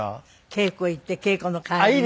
稽古行って稽古の帰りになんか。